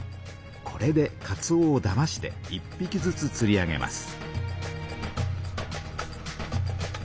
これでかつおをだまして１ぴきずつつり上げます。